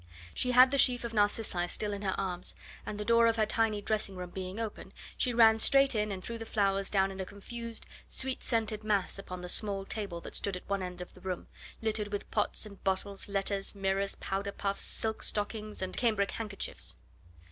She had the sheaf of narcissi still in her arms, and the door of her tiny dressing room being open, she ran straight in and threw the flowers down in a confused, sweet scented mass upon the small table that stood at one end of the room, littered with pots and bottles, letters, mirrors, powder puffs, silk stockings, and cambric handkerchiefs.